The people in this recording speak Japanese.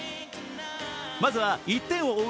まずは１点を追う